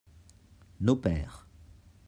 nos pères.